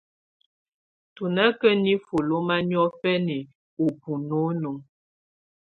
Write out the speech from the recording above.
Tù nà kà nifuǝ́ lɔma niɔ̀fɛna ù bunɔnɔ.